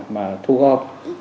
mà thu gom